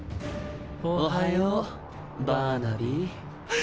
おはようバーナビー。